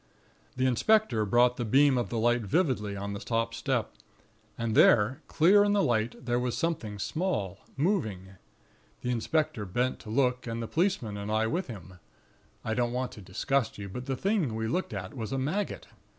"The inspector brought the beam of the light vividly on the top step; and there, clear in the light, there was something small, moving. The inspector bent to look, and the policeman and I with him. I don't want to disgust you; but the thing we looked at was a maggot.